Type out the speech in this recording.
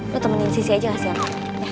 gue temenin sisi aja gak siapa